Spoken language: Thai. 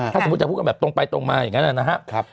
ถ้าสมมุติจะพูดกันแบบตรงไปตรงมาอย่างนั้นนะครับ